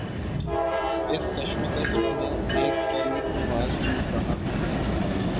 اس کشمکش میں ایک فریق نوازشریف صاحب ہیں